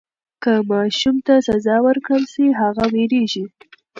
که ماشوم ته سزا ورکړل سي هغه وېرېږي.